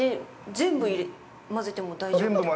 全部混ぜても大丈夫です。